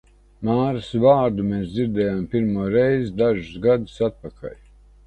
Māras vārdu mēs dzirdējām pirmo reizi dažus gadus atpakaļ.